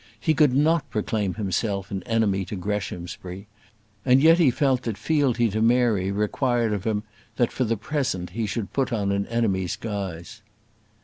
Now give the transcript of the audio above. He could not proclaim himself an enemy to Greshamsbury; and yet he felt that fealty to Mary required of him that, for the present, he should put on an enemy's guise.